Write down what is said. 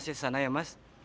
sampai ke sana ya mas